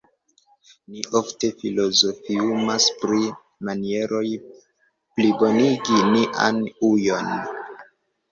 Ni ofte filozofiumas pri manieroj plibonigi nian ujon.